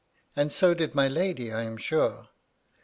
And so did my lady, I am sure.